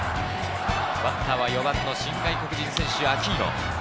バッターは４番の新外国人選手・アキーノ。